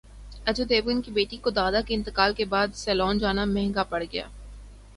اجے دیوگن کی بیٹی کو دادا کے انتقال کے بعد سیلون جانا مہنگا پڑ گیا